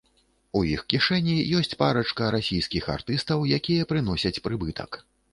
У іх кішэні ёсць парачка расійскіх артыстаў, якія прыносяць прыбытак.